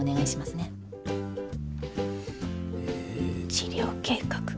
治療計画。